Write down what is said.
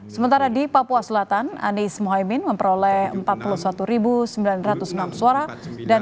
sementara di papua selatan anies mohaimi memperoleh dua ratus tiga puluh empat dua ratus lima puluh satu suara